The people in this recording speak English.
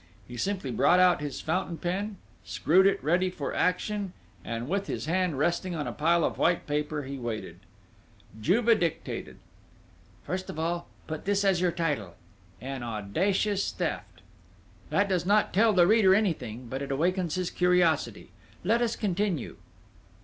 He simply brought out his fountain pen, screwed it ready for action, and, with his hand resting on a pile of white paper, he waited. Juve dictated. "First of all, put this as your title: An Audacious Theft "That does not tell the reader anything, but it awakens his curiosity.... Let us continue!